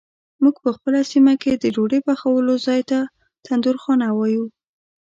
مونږ په خپله سیمه کې د ډوډۍ پخولو ځای ته تندورخانه وایو.